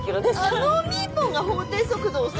あのみーぽんが法定速度をさ。